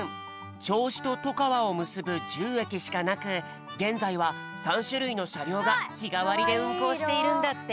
ちょうしととかわをむすぶ１０えきしかなくげんざいは３しゅるいのしゃりょうがひがわりでうんこうしているんだって。